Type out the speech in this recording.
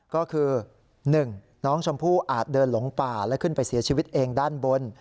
ก็คือ๑น้องชมพู่อาจเดินหลงป่าและขึ้นไปเสียชีวิตเองด้านบน